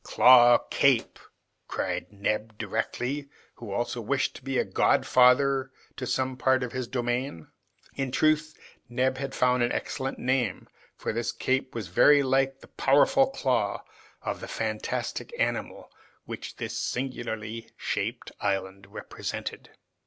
"Claw Cape," cried Neb directly, who also wished to be godfather to some part of his domain. In truth, Neb had found an excellent name, for this cape was very like the powerful claw of the fantastic animal which this singularly shaped island represented.